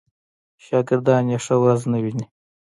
شاګردان یې ښه ورځ نه ویني.